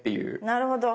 なるほど。